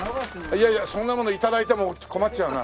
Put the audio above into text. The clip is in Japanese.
いやいやそんなもの頂いても困っちゃうな。